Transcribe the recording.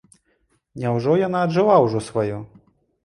Няўжо яна аджыла ўжо сваё?